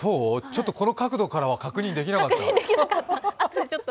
ちょっとこの角度からは確認できなかった。